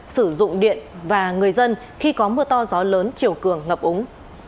sử dụng điện và người dân khi có mưa to gió lớn chiều cường ngập úng